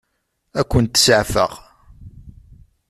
Ad kent-seɛfeɣ?